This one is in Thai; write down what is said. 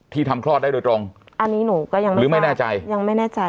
ทำคลอดได้โดยตรงอันนี้หนูก็ยังหรือไม่แน่ใจยังไม่แน่ใจ